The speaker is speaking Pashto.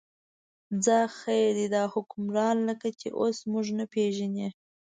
څه خیر دی، دا حکمران لکه چې اوس موږ نه پرېږدي.